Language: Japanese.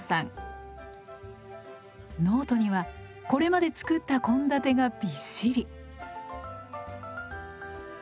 ノートにはこれまで作った献立がびっしり。